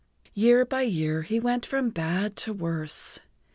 [Pg 71]Year by year he went from bad to worse.